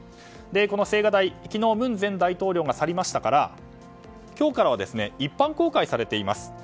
この青瓦台、昨日文前大統領が去りましたから今日からは一般公開されています。